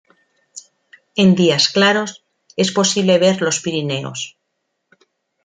En días claros es posible ver los Pirineos.